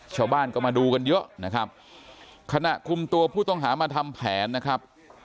ชาวบ้านก็มาดูกันเยอะนะครับขณะคุมตัวผู้ต้องหามาทำแผนนะครับ